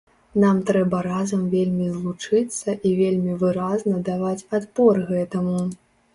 Нам трэба разам вельмі злучыцца і вельмі выразна даваць адпор гэтаму.